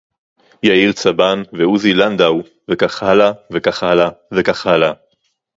יאיר צבן ועוזי לנדאו וכך הלאה וכך הלאה וכך הלאה